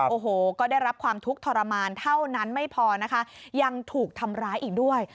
โอ้โหก็ได้รับความทุกข์ทรมานเท่านั้นไม่พอนะคะยังถูกทำร้ายอีกด้วย